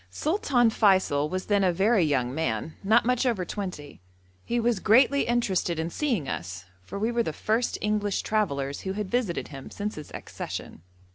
Sultan Feysul was then a very young man, not much over twenty. He was greatly interested in seeing us, for we were the first English travellers who had visited him since his accession.